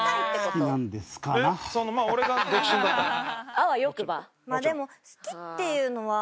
あわよくば。